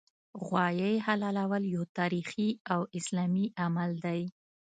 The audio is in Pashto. غوايي حلالول یو تاریخي او اسلامي عمل دی